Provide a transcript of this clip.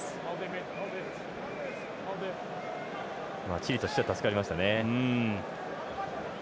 チリとしては助かりましたね。